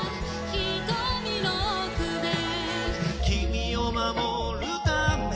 「君を守るため」